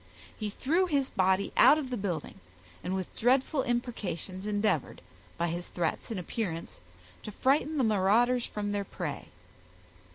He threw his body out of the building, and with dreadful imprecations endeavored, by his threats and appearance, to frighten the marauders from their prey.